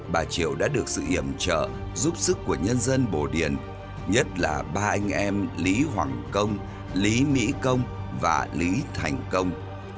bà triệu đã được sự hiểm trợ giúp sức của nhân dân bồ điền nhất là ba anh em lý hoàng công lý mỹ công và lý thành công